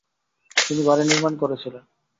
তিনি বাড়ি নির্মাণ করেছিলেন।